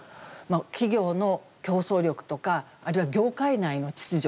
企業の競争力とかあるいは業界内の秩序